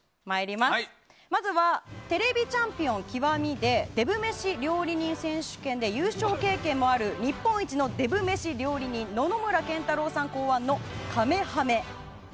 まずは「ＴＶチャンピオン極ＫＩＷＡＭＩ」でデブ飯料理人選手権で優勝経験もある日本一のデブ飯料理人野々村研太郎さん考案のカメハメ。